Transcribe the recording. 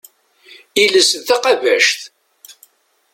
Iles d taqabact.